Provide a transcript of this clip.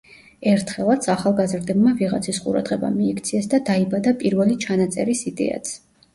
ერთხელაც, ახალგაზრდებმა ვიღაცის ყურადღება მიიქციეს და დაიბადა პირველი ჩანაწერის იდეაც.